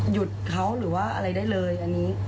หยุดเขาหรือว่าอะไรได้เลยอันนี้